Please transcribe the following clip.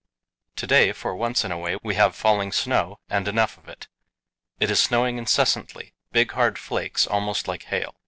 To day, for once in a way, we have falling snow, and enough of it. It is snowing incessantly big, hard flakes, almost like hail.